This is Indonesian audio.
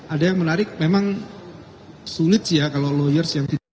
ada yang menarik memang sulit sih ya kalau lawyers yang tidak